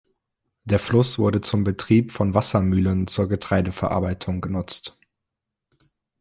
Der Fluss wurde zum Betrieb von Wassermühlen zur Getreideverarbeitung genutzt.